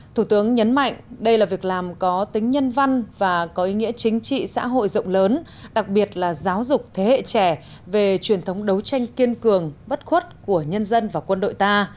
thủ tướng nhấn mạnh đây là việc làm có tính nhân văn và có ý nghĩa chính trị xã hội rộng lớn đặc biệt là giáo dục thế hệ trẻ về truyền thống đấu tranh kiên cường bất khuất của nhân dân và quân đội ta